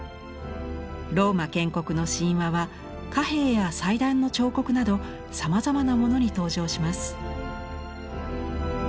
ローマ建国の神話は貨幣や祭壇の彫刻などさまざまなものに登場します。